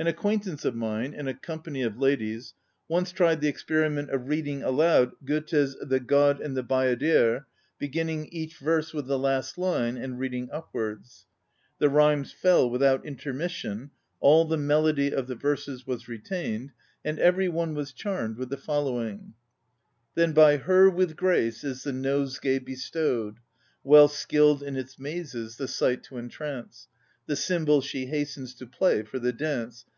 An acquaintance of mine, in a company of ladies, once tried the experiment of reading aloud Goethe's The God and the Bayadere, beginning each verse with the last line, and read ing upwards. The rhymes fell with out intermission, all the melody of the verses was retained ŌĆö and every one was charmed with the following: '* Then by her with grace is the nosegay be stowed. Well skilled in its mazes the sight to entrance. The cymbal she hastens to play for the dance.